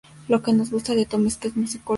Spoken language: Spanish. Lo que nos gusta de Tom es que es un musicólogo.